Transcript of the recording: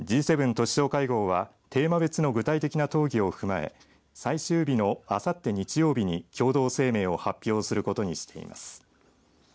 都市相会合はテーマ別の具体的な討議を踏まえ最終日のあさって日曜日に共同声明を発表することにしています。